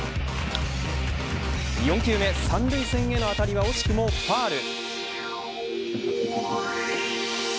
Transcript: ４球目、三塁線への当たりは惜しくもファウル。